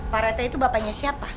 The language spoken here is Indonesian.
pak rete itu bapaknya siapa